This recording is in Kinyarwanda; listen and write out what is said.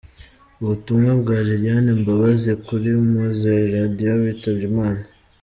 Ubutumwa bwa Lilian Mbabazi kuri Mowzey Radio witabye Imana.